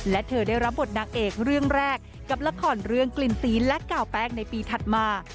และเธอได้รับบทนางเอกเรื่องแรกกับละครเรื่องกลิ่นสีและกาวแป้งในปีถัดมา